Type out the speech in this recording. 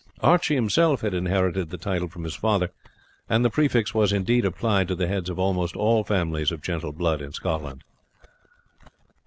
Archie himself had inherited the title from his father; and the prefix was, indeed, applied to the heads of almost all families of gentle blood in Scotland.